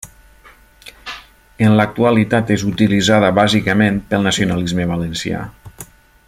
En l'actualitat és utilitzada bàsicament pel nacionalisme valencià.